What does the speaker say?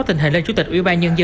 thì các đứa các y đi học